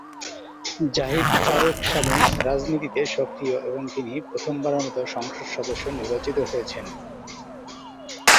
জাহিদ ফারুক শামীম রাজনীতিতে সক্রিয় এবং তিনি প্রথম বারের মতো সংসদ সদস্য নির্বাচিত হয়েছেন।